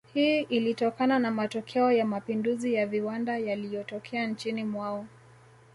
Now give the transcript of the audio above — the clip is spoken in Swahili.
Hii ilitokana na matokeo ya mapinduzi ya viwanda yaliyotokea nchini mwao